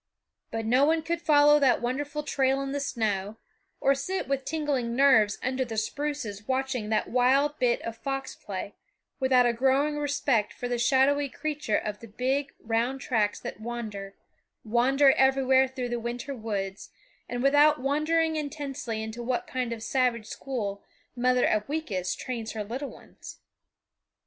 But no one could follow that wonderful trail in the snow, or sit with tingling nerves under the spruces watching that wild bit of fox play, without a growing respect for the shadowy creature of the big round tracks that wander, wander everywhere through the winter woods, and without wondering intensely in what kind of savage school Mother Upweekis trains her little ones.